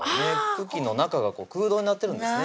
茎の中が空洞になってるんですね